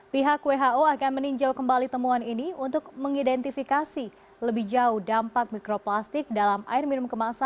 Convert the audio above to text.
pihak who akan meninjau kembali temuan ini untuk mengidentifikasi lebih jauh dampak mikroplastik dalam air minum kemasan